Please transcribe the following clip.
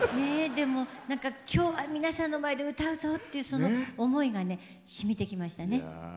でも何か今日は皆さんの前で歌うぞっていうその思いがねしみてきましたね。